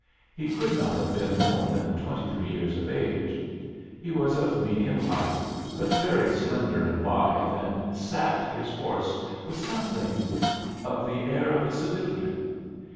He could not have been more than twenty three years of age. He was of medium height, but very slender and lithe, and sat his horse with something of the air of a civilian.